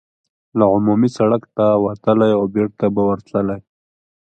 له عمومي سړک ته وتلای او بېرته به ورتللای.